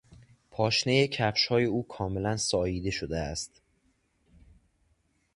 پاشنهی کفشهای او کاملا ساییده شده است.